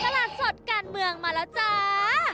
กลับสดกลานเมืองมาแล้วจ้า